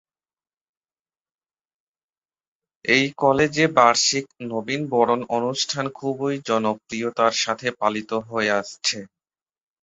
এই কলেজে বার্ষিক নবীন বরণ অনুষ্ঠান খুবই জনপ্রিয়তার সাথে পালিত হয়ে আসছে।